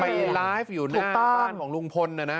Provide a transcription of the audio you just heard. ไปไลฟ์อยู่ในบ้านของลุงพลนะนะ